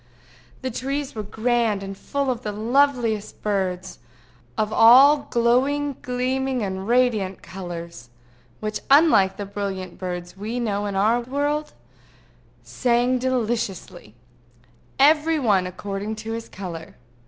The trees were grand, and full of the loveliest birds, of all glowing gleaming and radiant colors, which, unlike the brilliant birds we know in our world, sang deliciously, every one according to his color.